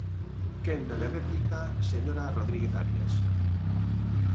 Quenda de réplica, señora Rodríguez Arias.